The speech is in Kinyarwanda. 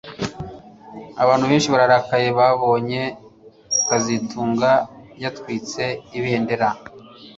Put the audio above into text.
Abantu benshi bararakaye babonye kazitunga yatwitse ibendera